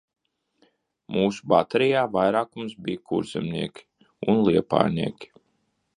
Mūsu baterijā vairākums bija kurzemnieki un liepājnieki.